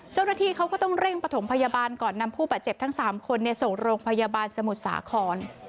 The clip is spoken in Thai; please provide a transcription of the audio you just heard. เจ้าหน้าที่เขาก็ต้องเร่งประถมพยาบาลก่อนนำผู้บาดเจ็บทั้ง๓คนส่งโรงพยาบาลสมุทรสาคร